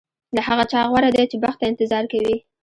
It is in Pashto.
له هغه چا غوره دی چې بخت ته انتظار کوي.